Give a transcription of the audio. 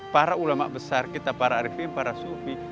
para ulama besar kita para arifin para sufi